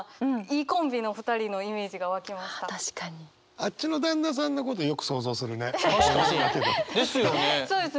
あっちの旦那さんのことよく想像するね。ですよね！